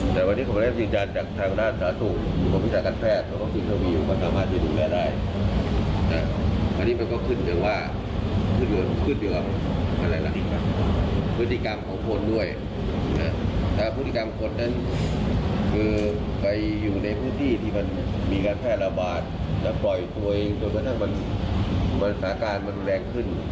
ที่มันมีการแพร่ระบาดแต่ปล่อยตัวเองจนกระทั่งมันสถานการณ์มันแรงขึ้น